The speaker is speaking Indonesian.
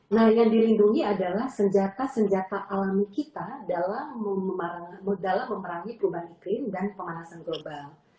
nah yang dilindungi adalah senjata senjata alami kita dalam memerangi perubahan iklim dan pemanasan global